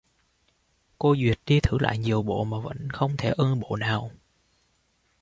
Cô duyệt đi thử lại nhiều bộ mà vẫn không thể ưng bộ nào